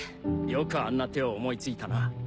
よくあんな手を思い付いたな。